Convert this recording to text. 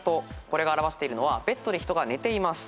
これが表しているのはベッドで人が寝ています。